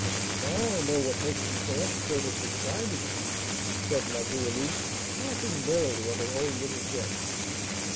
Now I know what makes you so expert at describing it!" said La Goualeuse, laughing merrily at her own little jest.